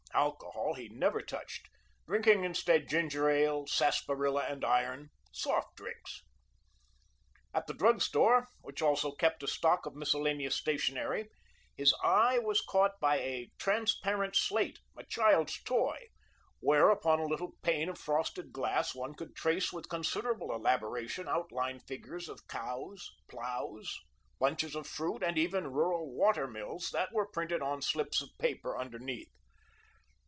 Alcohol he never touched, drinking instead ginger ale, sarsaparilla and iron soft drinks. At the drug store, which also kept a stock of miscellaneous stationery, his eye was caught by a "transparent slate," a child's toy, where upon a little pane of frosted glass one could trace with considerable elaboration outline figures of cows, ploughs, bunches of fruit and even rural water mills that were printed on slips of paper underneath.